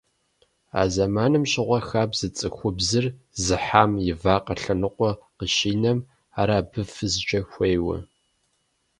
А зэманым щыгъуэ хабзэт цӀыхубзыр зыхьам и вакъэ лъэныкъуэр къыщинэм ар абы фызкӀэ хуейуэ.